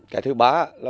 cái thứ ba